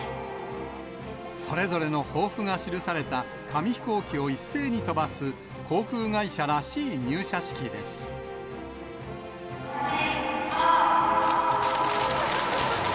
それぞれの抱負が記された紙飛行機を一斉に飛ばす、航空会社らしテイクオフ！